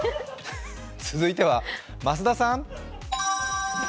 続いては増田さん！